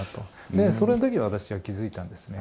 でその時私は気付いたんですね。